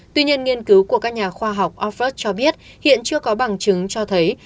tuy nhiên nghiên cứu của các nhà khoa học oxford cho biết hiện chưa có bằng chứng cho thấy